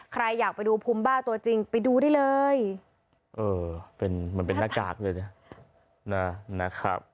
ใครอยากไปดูภูมิบ้าตัวจริงไปดูได้เลยเออเป็นเหมือนเป็นหน้ากากเลยเนี่ยนะครับ